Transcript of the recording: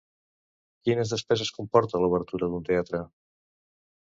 Quines despeses comporta l'obertura d'un teatre?